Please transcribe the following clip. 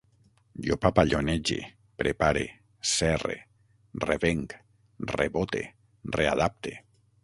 Jo papallonege, prepare, serre, revenc, rebote, readapte